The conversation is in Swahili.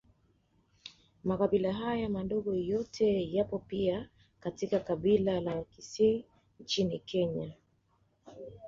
Makabila haya madogo yote yapo pia katika kabila la Wakisii nchini Kenya